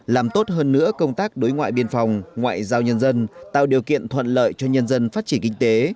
làm tốt hơn nữa công tác đối ngoại biên phòng ngoại giao nhân dân tạo điều kiện thuận lợi cho nhân dân phát triển kinh tế